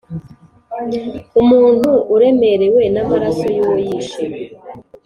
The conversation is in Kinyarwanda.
umuntu uremerewe n’amaraso y’uwo yishe